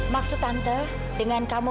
maksud tante dengan kamu